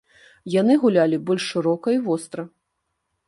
Яны гулялі больш шырока і востра.